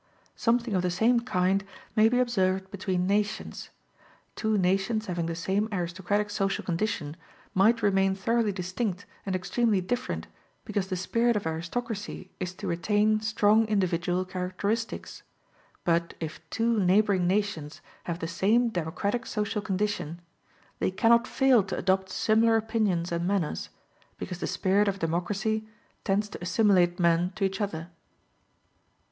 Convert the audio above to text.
Something of the same kind may be observed between nations: two nations having the same aristocratic social condition, might remain thoroughly distinct and extremely different, because the spirit of aristocracy is to retain strong individual characteristics; but if two neighboring nations have the same democratic social condition, they cannot fail to adopt similar opinions and manners, because the spirit of democracy tends to assimilate men to each other.